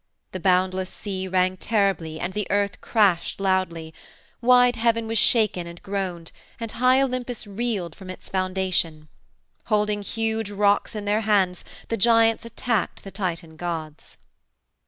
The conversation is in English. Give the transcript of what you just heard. The boundless sea rang terribly and the earth crashed loudly; wide Heaven was shaken and groaned, and high Olympus reeled from its foundation. Holding huge rocks in their hands the giants attacked the Titan gods.